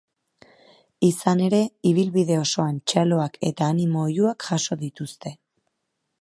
Izan ere, ibilbide osoan txaloak eta animo oihuak jaso dituzte.